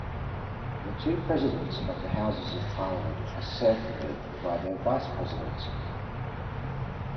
The two presidents of the Houses of Parliament are seconded by their vice-presidents.